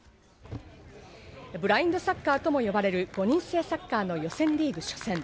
ブラインドサッカーとも呼ばれる５人制サッカーの予選リーグ初戦。